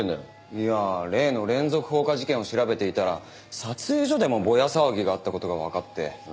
いやあ例の連続放火事件を調べていたら撮影所でもぼや騒ぎがあった事がわかって。